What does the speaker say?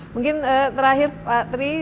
mungkin terakhir pak tri